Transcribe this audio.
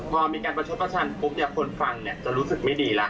พอมีการประชชนปุ๊บคนฟังจะรู้สึกไม่ดี